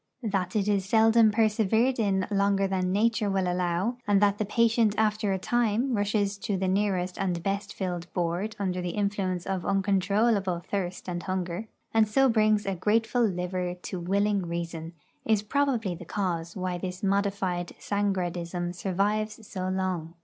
That it is seldom persevered in longer than Nature will allow, and that the patient after a time rushes to the nearest and best filled board under the influence of uncontrollable thirst and hunger, and so brings a grateful liver to willing reason, is probably the cause why this modified Sangradism survives so long.